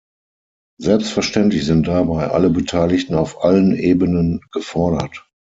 Selbstverständlich sind dabei alle Beteiligten auf allen Ebenen gefordert.